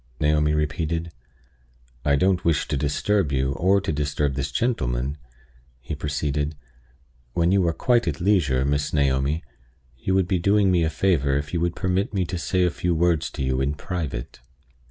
Naomi repeated. "I don't wish to disturb you, or to disturb this gentleman," he proceeded. "When you are quite at leisure, Miss Naomi, you would be doing me a favor if you would permit me to say a few words to you in private."